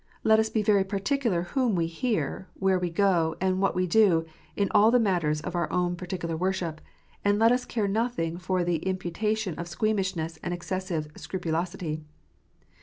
Let us be very particular whom we hear, where we go, and what we do, in all the matters of our own particular worship ; and let us care nothing for the imputa tion of squeamishness and excessive scrupulosity.